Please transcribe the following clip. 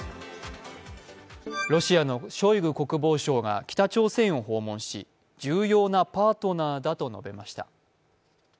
ロシアのショイグ国防相が北朝鮮を訪問し、重要なパートナーだと述べました。